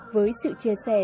với sự chia sẻ